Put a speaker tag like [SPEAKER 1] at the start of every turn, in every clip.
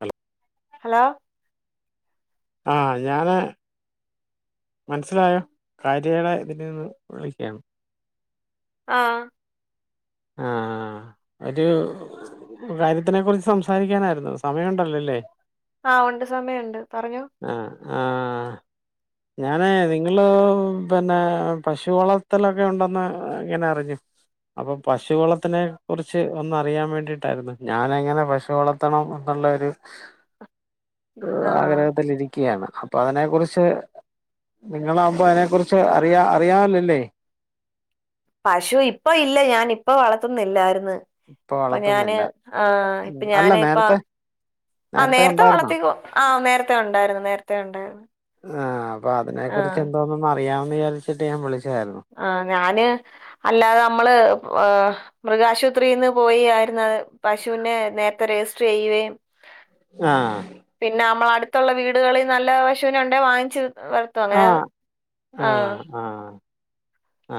[SPEAKER 1] Hello
[SPEAKER 2] hello
[SPEAKER 1] ആ ഞാന് മനസ്സിലായോ കാര്യയുടെ ഇതിൽ നിന്ന് വിളിക്കയാണ്
[SPEAKER 2] ആ
[SPEAKER 1] ആ ഹ ഒരു കാര്യത്തിനെ കുറിച്ച് സംസാരിക്കാനായിരുന്നു സമയംഉ ണ്ടല്ലോല്ലേ
[SPEAKER 2] അ ഉണ്ട് സമയുണ്ട് പറഞ്ഞോ
[SPEAKER 1] ആഹ ഞാനേ നിങ്ങള് പിന്നെ പശുവളത്തിലൊക്കെ ഉണ്ടെന്ന് ഇങ്ങനെ അറിഞ്ഞു അപ്പൊ പശു വളത്തിനെ കുറിച്ച് ഒന്ന് അറിയാൻ വേണ്ടിട്ടായിരുന്നു ഞാനങ്ങനെ പശു വളർത്തണം ഒ ഉള്ള ഒരു
[SPEAKER 2] ആഹ്
[SPEAKER 1] ആഗ്രഹത്തിരിക്കയാണ് അപ്പൊ അതിനെ കുറിച്ച് നിങ്ങളാവുമ്പോ അതിനെ കുുറിച്ച് അറിയാ അറിയാല്ലൊല്ലേ.
[SPEAKER 2] പശു ഇപ്പ ഇല്ല ഞാൻ ഇപ്പ വളർത്തുന്നില്ലായിര്ന്ന്. ഇപ്പൊ ഞാന് ആഹ്
[SPEAKER 1] ഉം.
[SPEAKER 2] ഇപ്പൊ
[SPEAKER 1] അല്ല
[SPEAKER 2] ഞാന് ഇപ്പ.
[SPEAKER 1] നേരത്തെ
[SPEAKER 2] ആഹ് നേരത്തെ വളർത്തിക്ക ആഹ് നേരത്തെ ഉണ്ടായിരുന്നു നേരത്തെ ഉണ്ടായിരുന്നു.
[SPEAKER 1] ആഹ് അപ്പൊ അതിനെ കുറിച്ച്
[SPEAKER 2] ആഹ്
[SPEAKER 1] എന്തോന്നും അറിയാംന്ന് വിചാരിച്ചിട്ട് ഞാൻ വിളിച്ചു.
[SPEAKER 2] ആഹ് ഞാന് അല്ലാതെ നമ്മള് ഏഹ് മൃഗാശുപ. ത്രീന്ന് പോയി ആയിരുന്നു പശുവിനെ നേരത്തെ രജിസ്റ്റർ ചെയ്യുകയും.
[SPEAKER 1] ആഹ്
[SPEAKER 2] പിന്നെ നമ്മള് അടുത്തുള്ള വീടുകളിൽ നല്ല പശുവിനെ ഉണ്ടെ വാങ്ങിച്ചി. വളർത്തും അങ്ങെനങ്ങ്
[SPEAKER 1] ആഹ്
[SPEAKER 2] ആഹ്.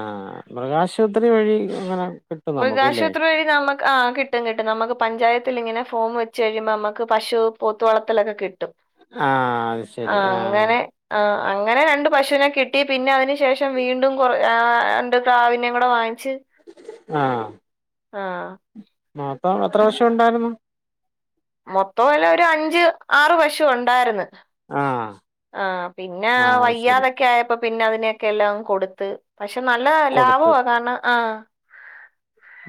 [SPEAKER 1] ആഹ് മൃഗാശുപത്രി വഴി അങ്ങനെ. കിട്ടും നമുക്കല്ലേ
[SPEAKER 2] മൃഗാശുപത്രി വഴി നമുക്ക് ആഹ് കിട്ടും കിട്ടും നമുക്ക് പഞ്ചായത്തിൽ ഇങ്ങനെ. ഫോം വച്ച് കഴുമ്പോ നമുക്ക് പശു പോത്തു വളർത്തലൊക്കെ കി. ട്ടും
[SPEAKER 1] ആഹ് അത് ശരി
[SPEAKER 2] ആഹ് അങ്ങനെ ആഹ് അങ്ങനെ രണ്ട് പശുവിനെ കി. ട്ടി പിന്നെ അതിനു ശേഷം വീണ്ടും കൊറ ആഹ് രണ്ട് പ്രാവിനേം കൂടെ വാങ്ങിച്ച്.
[SPEAKER 1] ആഹ്.
[SPEAKER 2] ആഹ്.
[SPEAKER 1] മൊത്തം എത്ര പശു ഉണ്ടായിരുന്നു.
[SPEAKER 2] മൊത്തം വല്ല ഒരു അഞ്ച് ആറ് പശു ഉണ്ടായിരുന്നു.
[SPEAKER 1] ആഹ്
[SPEAKER 2] ആഹ് പിന്നെ
[SPEAKER 1] ആഹ് അത് ശരി
[SPEAKER 2] വയ്യാതൊക്കെ ആയപ്പോ. പിന്നെ അതിനെയൊക്കെ എല്ലാം കൊടുത്ത് പക്ഷെ നല്ലതാ
[SPEAKER 1] കൊടുത്ത്
[SPEAKER 2] ലാഭവാ കാരണം ആഹ്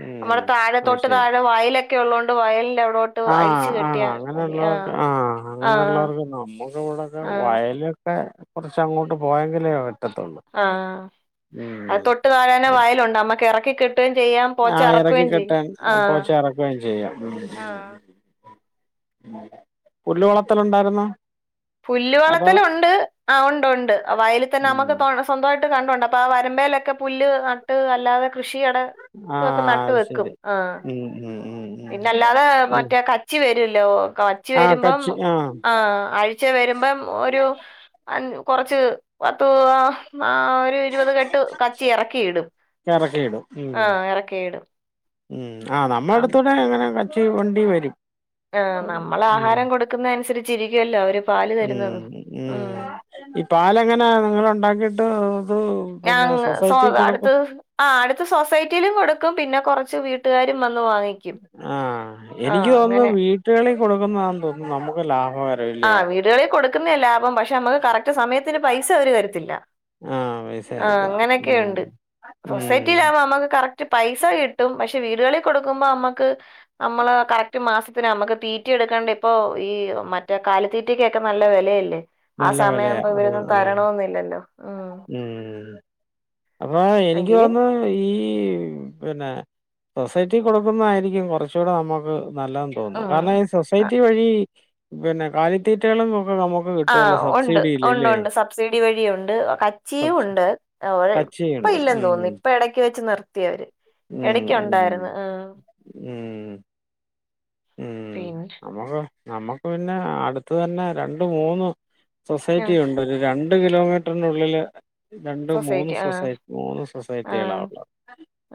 [SPEAKER 1] ഉം
[SPEAKER 2] നമ്മുടെ താഴെ
[SPEAKER 1] അത്
[SPEAKER 2] തൊട്ട്
[SPEAKER 1] ശരി
[SPEAKER 2] താഴെ വയലൊക്കെ ഉള്ളതോണ്ട് വയലിന്റെ. അവിടോട്ട്
[SPEAKER 1] ആഹ്
[SPEAKER 2] അഴിച്ചു
[SPEAKER 1] ആഹ്
[SPEAKER 2] കെട്ടിയാ മതി ആ
[SPEAKER 1] അങ്ങനെയുള്ളവർക്ക് ആഹ്
[SPEAKER 2] ആ
[SPEAKER 1] അങ്ങനെയുള്ളവർക്ക് നമ്മുക്ക് ഇവിടെക്കെ
[SPEAKER 2] ആഹ്
[SPEAKER 1] വയല്. ഒക്കെ കൊറ്ച്ച് അങ്ങോട്ട് പോയെങ്കിലേ പറ്റത്തുള്ളൂ
[SPEAKER 2] ആഹ് അത്
[SPEAKER 1] ഉം
[SPEAKER 2] തൊട്ട് താഴാനെ വയലുണ്ട് നമ്മക്ക് എറക്കി കെട്ടി.
[SPEAKER 1] ആഹ് എറക്കി കെട്ടാൻ അപോ
[SPEAKER 2] ആഹ്
[SPEAKER 1] [unintelligible] ചെയ്യാം. ഉം പുല്ലുവളത്തൽ ഉണ്ടായിരുന്നോ?
[SPEAKER 2] പുല്ല് വളത്തല് ഉണ്ട് ആഹ് ഉണ്ട് ഉണ്ട് വയലിൽ തന്നെ നമുക്ക്
[SPEAKER 1] ഉം
[SPEAKER 2] സ്വന്തമായിട്ട്. കണ്ടംണ്ട് ആഹ് വരമ്പേലൊക്കെ പുല് നട്ട് അല്ലാതെ കൃഷി. [unintelligible]
[SPEAKER 1] ആഹ്
[SPEAKER 2] നട്ട്
[SPEAKER 1] അത്
[SPEAKER 2] വെക്കും
[SPEAKER 1] ശരി
[SPEAKER 2] ആഹ്.
[SPEAKER 1] ഉം ഉം ഉം ഉം
[SPEAKER 2] പിന്നെ അല്ലാതെ
[SPEAKER 1] ഉം
[SPEAKER 2] മറ്റേ കച്ചി വരുല്ലോ.
[SPEAKER 1] ആഹ്
[SPEAKER 2] കച്ചിവരുമ്പം
[SPEAKER 1] കച്ചി
[SPEAKER 2] ആഹ് ആഴ്ച വരുമ്പം ഒരു അ കൊറച്ച് പത്ത് മു. ആഹ് ഒരു ഇരുപത് കെട്ട് കച്ചി എറക്കിയിടും
[SPEAKER 1] ഇറക്കിയിടും ഉം
[SPEAKER 2] ആഹ് എറക്കിയിടും.
[SPEAKER 1] ഉം ആഹ് നമ്മള അടുത്തൂടെ ങ്ങനെ കച്ചി വണ്ടി വരും.
[SPEAKER 2] ആഹ് നമ്മൾ ആഹാരം കൊടുക്കുന്ന അനുസരിച്ചിരിക്കുവല്ലോ അവര്. പാല് തരുന്നത്
[SPEAKER 1] ഉംഹ്
[SPEAKER 2] ഉം
[SPEAKER 1] ഉംഹ് ഈ പാലങ്ങനെ നിങ്ങള് ഉണ്ടാക്കിട്ട്. ഇത് പിന്നെ
[SPEAKER 2] ഞാനങ്ങ് സൊ
[SPEAKER 1] സൊസൈറ്റി കൊടുക്കും
[SPEAKER 2] അടുത്ത് ആഹ് അടുത്ത സൊസൈറ്റിയിലും കൊടുക്കും പിന്നെ കൊറച്ച് വീട്ടുകാരും വന്ന്. വാങ്ങിക്കും
[SPEAKER 1] ആഹ്
[SPEAKER 2] ആഹ്
[SPEAKER 1] എനിക്ക് തോന്നുന്നു
[SPEAKER 2] അങ്ങനെ
[SPEAKER 1] വീട്ടുകളിൽ കൊടുക്കുന്നന്ന് തോന്നുന്നു നമുക്ക് ലാഭ.
[SPEAKER 2] ആഹ് വീടുകളിൽ കൊടുക്കുന്നേ ലാഭം പക്ഷെ നമ്മുക്ക് കറക്റ്റ് സമയത്തിന് പൈസ അവര് തരത്തില്ല.
[SPEAKER 1] ആഹ് പൈസ
[SPEAKER 2] ആഹ്
[SPEAKER 1] കിട്ടും ഉം
[SPEAKER 2] അങ്ങനൊക്കെയുണ്ട്.
[SPEAKER 1] ഉം
[SPEAKER 2] സൊസൈറ്റിയിലാകുമ്പോ നമുക്ക് കറക്റ്റ് പൈസ കിട്ടും പക്ഷെ വീടുകളിൽ കൊടുക്കുമ്പോ നമ്മുക്ക്. നമ്മള് കറക്റ്റ് മാസത്തിന് നമ്മുക്ക് തീറ്റി എടുക്കേണ്ട ഇപ്പോ ഈ മ. റ്റേ കാലിത്തീറ്റക്കൊക്കെ നല്ല വെലയല്ലേ. ആഹ്
[SPEAKER 1] നല്ല വെലയാ.
[SPEAKER 2] സമയാവുമ്പം
[SPEAKER 1] ആഹ്
[SPEAKER 2] ഇവരൊന്നും
[SPEAKER 1] ആഹ്.
[SPEAKER 2] തരണന്നില്ലല്ലോ ഉം
[SPEAKER 1] ഉം. അപ്പൊ എനിക്ക്
[SPEAKER 2] എങ്കിലും
[SPEAKER 1] തോന്ന്ന്ന് ഈ പിന്നെ. സൊസൈറ്റി കൊടുക്കുന്നതായിരിക്കും കൊറച്ചൂടെ നമ്മുക്ക് നല്ലതെന്ന് തോന്നുന്നു കാരണം ഈ
[SPEAKER 2] ഉം
[SPEAKER 1] സൊസൈറ്റി വഴി പിന്നെ കാലിത്തീറ്റകളും ഒക്കെ നമുക്ക്
[SPEAKER 2] ആ
[SPEAKER 1] കിട്ടുവല്ലോ
[SPEAKER 2] ഒണ്ട്
[SPEAKER 1] സബ്സിഡിയിലല്ലേ?
[SPEAKER 2] ഒണ്ടൊണ്ട് സബ്സിഡി വഴിയുണ്ട് കച്ചിയും
[SPEAKER 1] സബ്സി
[SPEAKER 2] ഉണ്ട് ആ ഒയ്
[SPEAKER 1] കച്ചിയുണ്ട്.
[SPEAKER 2] പെയ് ഇല്ലെന്ന് തോന്ന് ഇപ്പ എടക്ക് വെച്ച് നിർ
[SPEAKER 1] മ്മ് മ്മ്
[SPEAKER 2] ആഹ്
[SPEAKER 1] ഉം ഉം.
[SPEAKER 2] പിൻ
[SPEAKER 1] നമുക്ക് നമുക്ക് പിന്ന അടുത്ത് തന്നെ രണ്ട് മൂന്ന് സൊസൈറ്റി
[SPEAKER 2] ആഹ്
[SPEAKER 1] ഉണ്ട് രണ് ണ്ട് കിലോമീട്ട്റ്നുള്ളില് രണ്ട് മൂന്ന്
[SPEAKER 2] സൊസൈറ്റി ആഹ്
[SPEAKER 1] സൊസൈറ മൂന്ന് സൊസൈറ്റികളാ
[SPEAKER 2] ആഹ്
[SPEAKER 1] ഉള്ളത്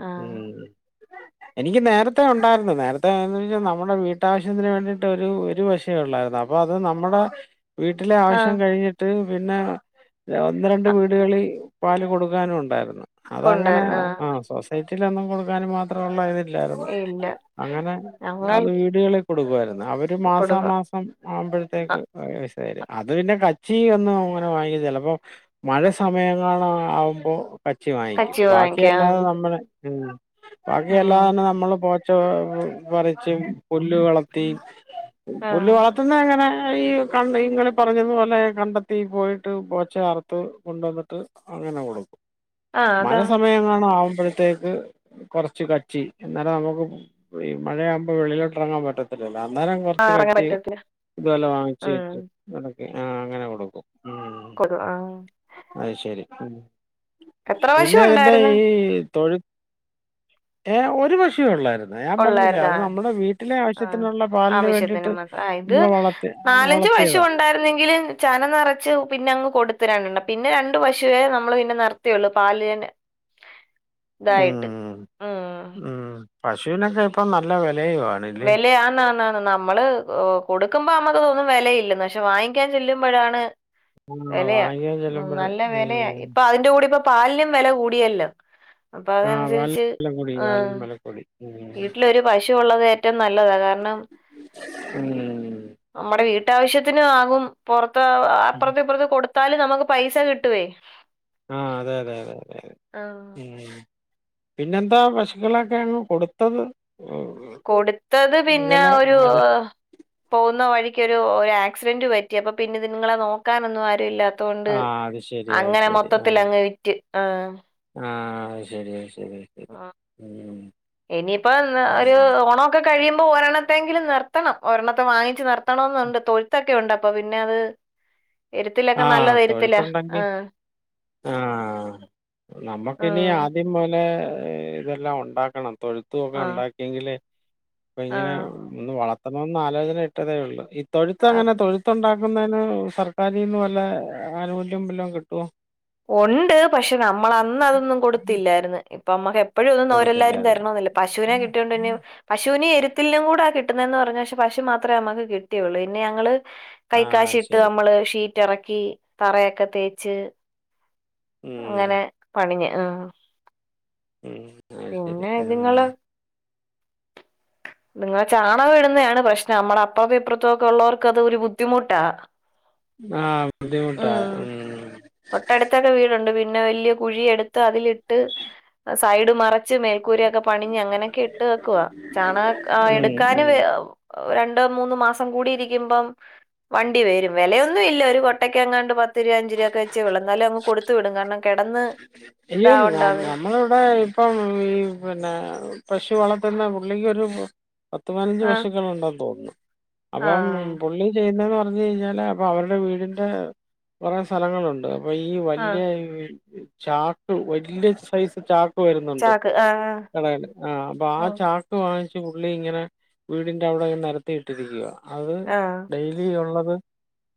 [SPEAKER 2] ആഹ്
[SPEAKER 1] ഉം എനിക്ക് നേരത്തെ ഉണ്ടാര്ന്നു നേരത്തെ ന്ന് വെച്ചാ ന മ്മുടെ വീട്ടാവശ്യത്തിന് വേണ്ടിട്ട് ഒരു ഒരു വശേ ഉള്ളായിരുന്നു അപ്പൊ അത് നമ്മുടെ വീട്ടിലെ ആവശ്യം
[SPEAKER 2] ആഹ്
[SPEAKER 1] കഴിഞ്ഞിട്ട് പിന്നെ ഒന്ന് രണ്ട് വീടുകളിൽ പാല് കൊടുക്കാനു ഉണ്ടായിരുന്നു അതങ്ങനെ
[SPEAKER 2] കൊണ്ടായിരുന്നു ആഹ്
[SPEAKER 1] ആ സൊസൈ റ്റിലൊന്നും കൊടുക്കാന് മാത്ര ഉള്ള ഇതില്ലായിരുന്നു
[SPEAKER 2] ഇല്ല
[SPEAKER 1] അങ്ങനെ
[SPEAKER 2] ഞങ്ങൾ
[SPEAKER 1] അത് വീടുകളി കൊടുക്കുവാരുന്നു അവര് മാസാ
[SPEAKER 2] കൊടുക്കും
[SPEAKER 1] മാസം ആവുമ്പൊഴത്തേക്ക് [unintelligible] തര അത് പിന്നെ കച്ചി ഒന്നും അങ്ങനെ വാങ്ങിയ ചെലപ്പൊ മഴ സമയങ്ങള ആവുമ്പോ കച്ചി വായ്ങ്ങ്ക്കും
[SPEAKER 2] കച്ചി
[SPEAKER 1] ബാക്കി
[SPEAKER 2] വാങ്ങിക്കും
[SPEAKER 1] അല്ലാതെ
[SPEAKER 2] ആഹ്
[SPEAKER 1] നമ്മള് ഉം ബാക്കി അല്ലാതെ
[SPEAKER 2] ആഹ്
[SPEAKER 1] ന്നെ നമ്മള് പോ [unintelligible] പറിച്ച് പുല്ല് വളർത്തി പുല്ല്
[SPEAKER 2] ആഹ്
[SPEAKER 1] വളർത്തുന്ന എങ്ങനെ ഈ കണ്ട് ഇങ്ങനെ പറഞ്ഞതു പോലെ കണ്ടെത്തി പോയിട്ട് പോച്ച അറ്ത്ത് കൊണ്ടുവന്ന്ട്ട് അങ്ങനെ കൊടുക്കും
[SPEAKER 2] ആഹ് അതാ
[SPEAKER 1] മഴസമയങ്ങാണ ആവു മ്പൊഴത്തേക്ക് കുറച്ച് കച്ചി എന്നാല നമുക്ക് മഴയാ മ്പൊ വെളിലോട്ട് എറങ്ങാൻ പറ്റത്തില്ലല്ലോ അന്നേരം
[SPEAKER 2] ആഹ്
[SPEAKER 1] കൊർച്ച്
[SPEAKER 2] ഇറങ്ങാൻ
[SPEAKER 1] കച്ചി
[SPEAKER 2] പറ്റത്തില്ല
[SPEAKER 1] ഇതു പൊലെ വാങ്ങിച്ച്
[SPEAKER 2] ഉം
[SPEAKER 1] വെച്ച് ആ അങ്ങനെ കൊടുക്കും
[SPEAKER 2] കൊടു ആഹ്
[SPEAKER 1] അത് ശരി ഉം
[SPEAKER 2] എത്ര
[SPEAKER 1] പിന്നെ
[SPEAKER 2] പ്രാവശ്യം
[SPEAKER 1] അതിന്റെ
[SPEAKER 2] ഉണ്ടായിരുന്നു
[SPEAKER 1] ഈ തൊഴു ഏ ഒരു പശുവേ ഉള്ളായിര്ന്ന് ഞാൻ പറഞ്ഞില്ലേ
[SPEAKER 2] ഉള്ളായിരുന്നു
[SPEAKER 1] അത് ന
[SPEAKER 2] ആഹ് ആവശ്യത്തിന്
[SPEAKER 1] വേണ്ടിയിട്ട്
[SPEAKER 2] മാത്ര ആ ഇത്
[SPEAKER 1] നമ്മൾ വളർത്തി
[SPEAKER 2] നാലഞ്ച് പശു
[SPEAKER 1] വളർത്തിയതാ
[SPEAKER 2] ഉണ്ടായിരുന്നെങ്കില് ചന നെറച്ച് പിന്നെങ്ങ് കൊടുത്ത് രണ്ടണ്ണ് പിന്നെ രണ്ട് പശുവേ നമ്മള് പിന്നെ നിർത്തിയുള്ളൂ പാല്ന്നെ തായിട്ട്
[SPEAKER 1] ഉം
[SPEAKER 2] ഉം
[SPEAKER 1] ഉം പശുവിനൊക്കെ ഇപ്പൊ നല്ല വെ
[SPEAKER 2] വെല ആന്നാന്ന ന്ന നമ്മള് കൊടുക്കുമ്പോ നമ്മക്ക് തോന്നും വെലയില്ലെന്ന് പക്ഷെ വാങ്ങിക്കാൻ ചെല്ലുമ്പോഴാണ്
[SPEAKER 1] ആ
[SPEAKER 2] വെലയാ
[SPEAKER 1] വാങ്ങിയാൽ
[SPEAKER 2] ഉം
[SPEAKER 1] ചെല്ലുമ്പോൾ
[SPEAKER 2] നല്ല വെലയാ ഇപ്പൊ അതിന്റെ കൂടി ഇപ്പൊ പാലിനും വെല കൂടിയല്ലോ അപ്പൊ
[SPEAKER 1] ആ
[SPEAKER 2] അതനുസരിച്ച്
[SPEAKER 1] പാലിനും വില കൂടി
[SPEAKER 2] ആ
[SPEAKER 1] പാലിനും വില കൂടി ഉം.
[SPEAKER 2] വീട്ടിലൊരു പശുവുള്ളത് എ നല്ലതാ കാര്ണം മ്മടെ വീട്ടാവശ്യത്തിന് ആകും പൊറത്ത് ത്ത് അ
[SPEAKER 1] ഉം.
[SPEAKER 2] അപ്പുറത്ത് ഇപ്പുറത്ത് കൊടുത്താലും നമക്ക് പൈസ കിട്ടുവേ
[SPEAKER 1] ആഹ് അതെ അതെ അതെ
[SPEAKER 2] ആഹ്
[SPEAKER 1] ഉം പിന്നെന്താ പശുക്കളൊക്കെങ്ങ് കൊടുത്തത് ഉം.
[SPEAKER 2] കൊടുത്തത് പിന്നെ
[SPEAKER 1] വില
[SPEAKER 2] ഒരു
[SPEAKER 1] ആര്
[SPEAKER 2] പോവ്ന്ന വഴിക്ക് ഒര് ആക്സിഡന്റ് പറ്റി അപ്പൊ പിന്നിത്ങ്ങളെ നോക്കാനൊന്നു ആരു ഇല്ലാത് അതോണ്ട്
[SPEAKER 1] ആ അത് ശരി അത്
[SPEAKER 2] അങ്ങനെ
[SPEAKER 1] ശരി
[SPEAKER 2] മൊത്തത്തിലങ്ങ് വിറ്റ്. ആഹ്
[SPEAKER 1] ആഹ് അയ് ശെരി അയ് ശെ
[SPEAKER 2] ആഹ് ഇനിയിപ്പ ന്ന്
[SPEAKER 1] ഉം.
[SPEAKER 2] ഒര് ഓണോക്കെ കഴിയ്മ്പോ ഒരെണ്ണത്തെയെങ്കിലും നിർത്തണം. ഒരെണ്ണത്തെ വാങ്ങിച്ച് നിർത്തണോന്നുണ്ട്. തൊഴുത്തൊ ക്കെതൊണ്ട്. അപ്പൊ പിന്നെ അത് എരുത്തിലൊക്കെ
[SPEAKER 1] ആഹ്
[SPEAKER 2] നല്ലത് എരുത്തിലാ
[SPEAKER 1] തൊഴുത്തൊണ്ടെങ്കി
[SPEAKER 2] ആ
[SPEAKER 1] ആഹ് നമ്മക്കിനി ആദ്യം മൊയലെ ഏഹ് ഇതെല്ലാം ഒണ്ടാക്കണം. തൊഴുത്തും ഒക്കെ
[SPEAKER 2] ആ
[SPEAKER 1] ഒണ്ടാക്കിയെങ്കിലെ പ്പൊ
[SPEAKER 2] ആ
[SPEAKER 1] ഇങ്ങനെ ഒന്ന് വളർത്തണോന്ന് ആലോചന ഇട്ടതേ ഒള്ളൂ. ഈ
[SPEAKER 2] ആ
[SPEAKER 1] തൊഴുത്തെങ്ങനെ തൊഴുത്തുണ്ടാക് ക്ന്നേന് സർക്കാരീന്ന് വല്ല ആനുകൂല്യം വല്ലോം കിട്ടുവൊ?
[SPEAKER 2] ഒണ്ട്. പക്ഷെ നമ്മളതൊന്നും കൊടുത്തില്ലാര്ന്ന്. ഇപ്പമ്മക്ക് എപ് എപ്പോഴൊന്നും നോരെല്ലാരും
[SPEAKER 1] കൊടുത്തില്ലായിരുന്നു
[SPEAKER 2] തെരണോന്നില്ല. പശുവിനെ കിട്ട്യോണ്ട് ഇനി പശൂനേം എരുത് ഴുത്തിലിനൂടാ കിട്ടുന്നെന്ന് പറഞ്ഞ്. പക്ഷെ പശു മാത്രെ നമ്മക്ക് കിട്ടിയുള്ളൂ. പിന്നെ ഞങ്ങള്
[SPEAKER 1] ആ
[SPEAKER 2] കൈക്കാശിട്ട്
[SPEAKER 1] ശരി
[SPEAKER 2] നമ്മള് ഷീറ്റെറക്കി തറയൊക്കെ തേച്ച്
[SPEAKER 1] ഉം
[SPEAKER 2] അങ്ങനെ പണിഞ്ഞ്. ആഹ് ഇതുങ്ങള്
[SPEAKER 1] [unintelligible]
[SPEAKER 2] നിങ്ങള് ചാണകം ഇടുന്നതാണ് പ്രശ്നം. നമ്മുടെ അപ്പവെ ഇപ്പുറത്തും ഓക്കെ ഒള്ളവർക്ക് അത് ഒരു ബുദ്ധിമുട്ടാ.
[SPEAKER 1] ആഹ് ബുദ്ധിമുട്ടാ ഉം
[SPEAKER 2] തൊട്ടടുത്തൊക്കെ വീടുണ്ട് പിന്നെ വല്യ കുഴിയെടുത്ത് അതിലിട്ട് സൈഡ് മറ ച്ച് മേൽക്കൂരയൊക്കെ പണിഞ്ഞ് അങ്ങനെയൊക്കെ ഇട്ടേക്കുവാ. ചാണക
[SPEAKER 1] ഉം
[SPEAKER 2] എടുക്കാനും
[SPEAKER 1] ഉം
[SPEAKER 2] [unintelligible] രണ്ട് മൂന്ന് മാസം കൂടി യിരിക്കുമ്പം വണ്ടി വെരും വെലയൊന്ന് ന്നുല്ല ഒരു കൊട്ടക്കെങ്ങാണ്ട് പത്ത് രൂവഞ്ച് രൂവക്കെച്ചെള്ളൂ എന്നാലു അങ് കൊട്ത്ത് വിടും കാരണം കെ
[SPEAKER 1] അയ്യോ നം നമ്മള് വടെ ഇപ്പം ഈ പിന്നെ പശു വളർത്തുന്ന പുള്ളിക്കൊരു പത്ത് പതിനഞ്ച്
[SPEAKER 2] ആ
[SPEAKER 1] പശുക്കളുണ്ടെന്ന് തോന്നുന്നു.
[SPEAKER 2] ആ
[SPEAKER 1] അപ്പം പുള്ളി ചെയ്യുന്നന്ന് [unintelligible] കഴിഞ്ഞാല പ്പൊ അവരുടെ വീടിന്റെ കൊറെ സ്ഥലങ്ങളുണ്ട് അപ്പൊ ഈ
[SPEAKER 2] ആ
[SPEAKER 1] വല്ല്യ ഈ ചാക്ക് വെല്ലയൊരു സൈസ് ചാ ക്ക് വരുന്നുണ്ട്
[SPEAKER 2] ചാക്ക് ആ
[SPEAKER 1] കടേല് ആ അപ്പൊ ആ ചാക്ക് വാങ്ങിച്ച് ഉള്ളി ഇങ്ങനെ വീടിന്റവടെ നെലത്തി ട്ടിരിക്കുവ അത്
[SPEAKER 2] ആ
[SPEAKER 1] ഡയ്ലി ഉള്ള [unintelligible]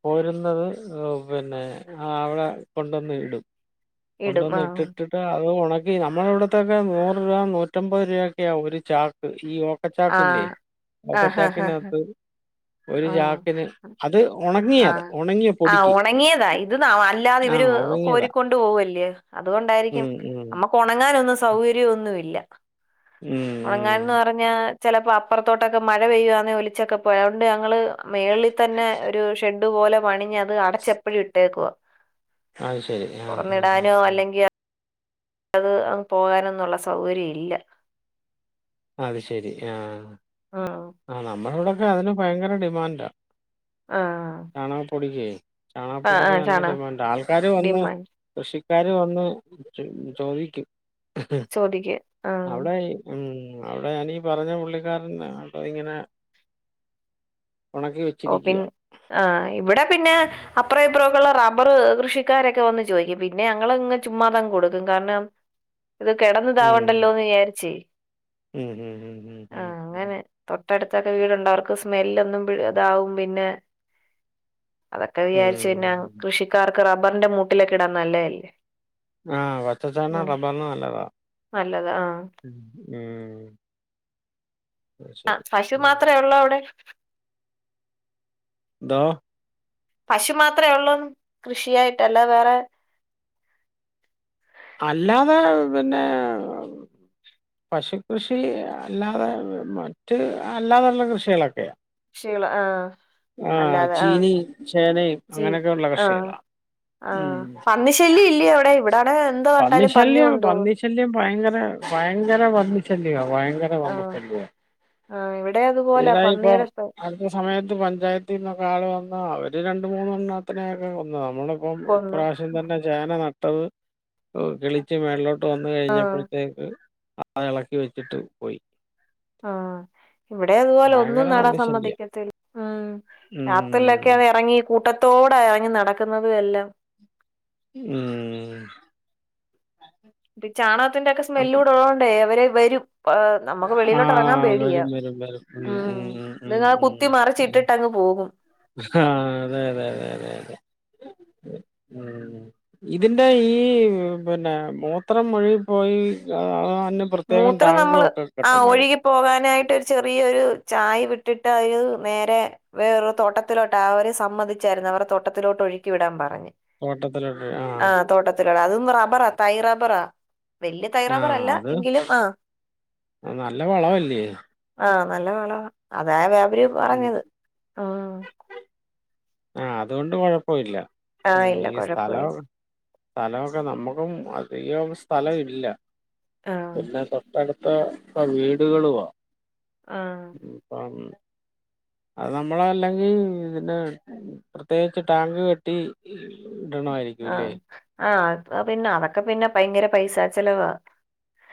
[SPEAKER 1] പോരുന്നത് ഏഹ് പിന്നെ ആ വടെ കൊണ്ടെന്ന് ടും
[SPEAKER 2] ഇടും
[SPEAKER 1] കൊണ്ടന്ന്
[SPEAKER 2] ആ
[SPEAKER 1] ട്ട് ട്ട് ട്ടാ ത് ഒണക്കി നമ്മളെ വടെത്തെക്കെ നൂറ് രൂപ നൂറ്റമ്പത് രൂപ ക്കെയാ ഒരു ചാക്ക് ഈ ഒ
[SPEAKER 2] ആ
[SPEAKER 1] ട്ടച്ചാക്കില്ലേ
[SPEAKER 2] ആ ആ
[SPEAKER 1] ഓക്കട്ടാക്കിനകത്ത് ഒരു ചാക്കിന് അത് ഉണങ്ങിയ അത്
[SPEAKER 2] ആഹ്
[SPEAKER 1] ഉണങ്ങിയ
[SPEAKER 2] ആഹ്
[SPEAKER 1] പൊടിക്ക്
[SPEAKER 2] ഒണങ്ങിയതാ ഇത് നാ അല്ലാതെ
[SPEAKER 1] ആ
[SPEAKER 2] ഇവര്
[SPEAKER 1] ഉണങ്ങിയതാ
[SPEAKER 2] കോരിക്കൊണ്ട് പോ പോവല്ലേ അത്കൊണ്ടായിരിക്കും
[SPEAKER 1] ഉം ഉം
[SPEAKER 2] അമ്മക്ക് ഒണങ്ങാനൊന്നും
[SPEAKER 1] ഉം
[SPEAKER 2] സൗകര്യൊന്നുല്ല.
[SPEAKER 1] ഉം
[SPEAKER 2] ഒണങ്ങാൻന്ന് പറഞ്ഞാ ചെലപ്പോ അ പ്പർത്തോട്ടൊക്കെ മഴ പെയ്യുവാന്നെ ഒലിച്ചൊക്കെ പോയോണ്ട് ഞങ്ങള് മേളിതെന്നെ ഷെഡ് പോലെ പണിഞ്ഞത് അടച്ചപ്പഴി ട്ടേക്കുവ.
[SPEAKER 1] അയ് ശെരി ആഹ് ആഹ് ആഹ്
[SPEAKER 2] അല്ലെങ്കിൽ അത് അൻ പോവാനൊന്നുള്ള സൗകര്യല്ല.
[SPEAKER 1] അത് ശെരി ആഹ്
[SPEAKER 2] ഉം
[SPEAKER 1] ആ നമ്മളെ വടെക്കെ അതിനും ഭയങ്കര ഡിമാൻഡാ
[SPEAKER 2] ആഹ്
[SPEAKER 1] ചാണകം പൊടിക്കേ
[SPEAKER 2] ആഹ്
[SPEAKER 1] ചാണകപ്പൊടിക്ക്
[SPEAKER 2] ആഹ്
[SPEAKER 1] നല്ല
[SPEAKER 2] ചാണകം
[SPEAKER 1] ഡിമാൻഡാ ആൾക്കാര് വന്ന്
[SPEAKER 2] ഡിമാൻഡ്
[SPEAKER 1] കൃഷി ക്കാര് വന്ന് ച് ചോദിക്കും
[SPEAKER 2] ചോദിക്ക് ആഹ്
[SPEAKER 1] അവടെ ഈ ഉം അവടെ ഞാനീ പറഞ്ഞ പുള്ളിക്കാരൻ ആട്ടോ ഇങ്ങനെ ഉണക്കി
[SPEAKER 2] ഓ പിൻ
[SPEAKER 1] വെച്ചിരിക്കുവാ
[SPEAKER 2] ആഹ് ഇവടെ പിന്നെ അപ്രപ്രോപ്പൊള്ള റബ്ബർ കൃഷിക്കാരൊക്കെ വന്ന് ചോയ്ക്കും പിന്നെ അങ്ങൾ ഇങ്ങഹ് ചുമ്മാതങ് കൊടുക്കും കാര്ണം ഇത് കെടന്ന് ഇതാവണ്ടൊല്ലോ
[SPEAKER 1] ഉം
[SPEAKER 2] എന്ന് വിചാരിച്ചേ
[SPEAKER 1] ഉം ഉ. ഉം
[SPEAKER 2] ഇൊട്ടടുത്തൊക്കെ വീടുണ്ട അവർക്ക് സ്മെല്ലൊന്നും ഇതാവും പിന്നെ അതൊക്കെ
[SPEAKER 1] ഉം
[SPEAKER 2] വിചാരിച്ചു പിന്നാ
[SPEAKER 1] ഉം.
[SPEAKER 2] കൃഷിക്കാർക്ക് റബ്ബറിന്റെ മൂട്ടിലൊക്കെ ഇടാൻ നല്ലതല്ലേ
[SPEAKER 1] ആഹ പച്ചചാണകം
[SPEAKER 2] ഉം
[SPEAKER 1] റബ്ബറിനും നല്ലതാ
[SPEAKER 2] നല്ലതാ ആഹ്
[SPEAKER 1] ഉ
[SPEAKER 2] ആ പശു
[SPEAKER 1] ഉം.
[SPEAKER 2] മാത്രമേ ഉള്ളൂ അവിടെ
[SPEAKER 1] ന്തോ
[SPEAKER 2] പശു മാത്രമേ ഉള്ളൂ കൃഷിയായിട്ടല്ല വേറെ
[SPEAKER 1] അല്ലാതെ പിന്നെ പശു കൃഷി അല്ലാതെ മറ്റ് അല്ലാതെയുള്ള കൃഷികളൊക്കെയ
[SPEAKER 2] കൃഷികള് ആഹ്
[SPEAKER 1] ആ
[SPEAKER 2] അല്ലാതെ ആഹ്
[SPEAKER 1] ചീനി ചേനയും അങ്ങനെയൊക്കെയ ഉള്ള കഷികളാണ്
[SPEAKER 2] ആ പന്നി ശല്യം ഇല്ലേ അവിടെ ഇവിടാണ്
[SPEAKER 1] പന്നിശല്യം പന്നിശല്യം ഭയങ്കര ഭയങ്കര പന്നിശല്യമാ ഭയങ്കര
[SPEAKER 2] ആഹ്
[SPEAKER 1] പന്നിശല്യ
[SPEAKER 2] ആഹ് ഇവിടെ അതുപോലെ
[SPEAKER 1] ഇടാ ഇപ്പൊ
[SPEAKER 2] പന്നിയുടെ ശ-
[SPEAKER 1] അടുത്ത സമയത്ത് പഞ്ചായത്തി നിന്നൊക്കെ ആള് വന്ന ആ അവര് രണ്ട് മൂന്നെണ്ണത്തിനെയൊക്കെ കൊന്ന് ആ നമ്മളിപ്പം
[SPEAKER 2] കൊന്ന്
[SPEAKER 1] ഇപ്രാവശ്യം തന്നെ ചേന നട്ടത് എർ കിളിച്ച് മേളിലോട്ട് വന്നു
[SPEAKER 2] ആഹ്
[SPEAKER 1] കഴിഞ്ഞപ്പോൾത്തേക്ക് ആ അളക്കി വെച്ചിട്ട് പോയി
[SPEAKER 2] ആ ഇവിടെ അതുപോലെ ഒന്നും
[SPEAKER 1] ഭയങ്കര
[SPEAKER 2] നടാൻ
[SPEAKER 1] പന്നിശല്യ
[SPEAKER 2] സമ്മതിക്കത്തിൽ ഉം രാത്രിലൊക്കെ
[SPEAKER 1] ഉം
[SPEAKER 2] വെറങ്ങി കൂട്ടത്തോട എറങ്ങി നടക്കുന്നതു എല്ലാം
[SPEAKER 1] ഉം
[SPEAKER 2] പിൻ ചാണഅത്തിന്റെ ക്കെ
[SPEAKER 1] അപ്പ-
[SPEAKER 2] സ്മെല്ലൂടെ ഒള്ളോണ്ടേ അവര് വരും പ് ഏ നമ്മക്ക്
[SPEAKER 1] ആ
[SPEAKER 2] വെളിയിലോട്ട് അറങ്ങാൻ പേടിയാ
[SPEAKER 1] വരും വരും വരും
[SPEAKER 2] ഉം
[SPEAKER 1] ഉം
[SPEAKER 2] നിങ്ങ
[SPEAKER 1] ഉം ഉം
[SPEAKER 2] കുത്തി
[SPEAKER 1] ഉം
[SPEAKER 2] മറിച്ചിട്ടിട്ട് അങ്ങ് പോ പോക
[SPEAKER 1] ആ അതെ അതെ അതെ അതെ അതെ ഉം ഇതിന്റെ ഈ പിന്നെ മൂത്രം ഒഴികി പോയി ആ ന്നെ പ്രത്യേകം ടാങ്ക്ലോ
[SPEAKER 2] ആ ഒഴുകി പോകാനായിട്ട് ഒരു ചെറിയൊരു എർ ചായ് വിട്ടിട്ട് അയ് നേരെ വേറെ തോട്ടത്തിലോട്ടാ അവര് സമ്മതിച്ചായിരുന്നു അവരെ തോട്ടത്തിലോ ഒട്ടൊഴുക്കിവിടാൻ പറഞ്ഞ്
[SPEAKER 1] തോട്ടത്തിലോട്ട് ആ
[SPEAKER 2] ആഹ് തോട്ടത്തിലുള്ള അതും റബറ തൈ റബറാ വല്യെ തൈ
[SPEAKER 1] ആ
[SPEAKER 2] റബറല്ല
[SPEAKER 1] അത് നല്ല വളവല്ലേ
[SPEAKER 2] ആ നല്ല വളവ അതാ വ്യാ അവര്
[SPEAKER 1] ഉം
[SPEAKER 2] പറഞ്ഞത് ആ
[SPEAKER 1] ആ അതുകൊണ്ട് കൊഴപ്പ ഇല്ല
[SPEAKER 2] ആഹ്
[SPEAKER 1] ഉം
[SPEAKER 2] ഇല്ല
[SPEAKER 1] ഈ സ്ഥലാ
[SPEAKER 2] കൊഴപ്പമില്ല
[SPEAKER 1] സ്ഥലമൊക്കെ നമ്മുക്കും അധികം സ്ഥലവില്ല
[SPEAKER 2] ആഹ്
[SPEAKER 1] പിന്നെ തൊട്ടടു ത്ത പ വീടുകളുവ
[SPEAKER 2] ആഹ്
[SPEAKER 1] [unintelligible] അത് നമ്മളെ അല്ലെങ്കി ഇതിൻ്റെ പ്രത്യേകിച്ച് ടാങ്ക് കെട്ടി
[SPEAKER 2] അഹ്
[SPEAKER 1] ഇടണമായിരിക്കും
[SPEAKER 2] ആ
[SPEAKER 1] അല്ലേ
[SPEAKER 2] ഹ് ആ അത്തൊ പിന്നെ അതൊക്കെ പിന്നെ ഭയങ്കര പൈസ ചെലവ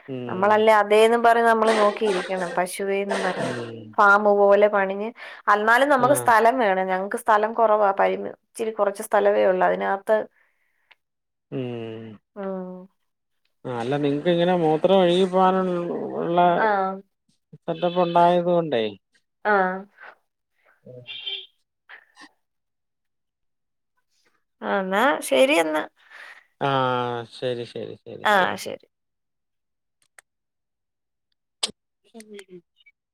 [SPEAKER 1] ഉം
[SPEAKER 2] നമ്മളല്ലേ അതേന്നും പറഞ്ഞ് നമ്മള് നോക്കിയിരിക്കണം പശുവേന്നും പറഞ്ഞ്
[SPEAKER 1] ഉം
[SPEAKER 2] ഫാമ് പോലെ പണിഞ്ഞ് അന്നാലും നമ്മക്ക്
[SPEAKER 1] ആഹ്
[SPEAKER 2] സ്ഥലം വേണം ഞങ്ങക്ക് സ് സ്ഥലം കൊറവാ പയ്ന് ഇച്ചിരി കൊറച്ച സ്ഥലവേ ഒള്ളു അയ്നാത്ത്
[SPEAKER 1] ഉം ആ അല്ല നിങ്ങക്ക് എങ്ങന മൂത്രം ഒഴുകി പോവാനുൾ ള്ള
[SPEAKER 2] ആഹ്
[SPEAKER 1] സെറ്റപ്പ് ഉണ്ടായതോണ്ടെയ്
[SPEAKER 2] ആഹ് ആ എന്നാ ശരി എന്നാ
[SPEAKER 1] ആ ശരി ശരി ശരി
[SPEAKER 2] ആ ശരി
[SPEAKER 1] ഉം